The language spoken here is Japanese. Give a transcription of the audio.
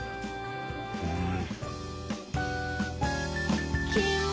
うん。